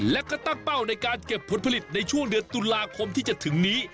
และก็ตั้งเป้าในการเก็บผลผลิตในช่วงเดือนตุลาคมที่จะถึงนี้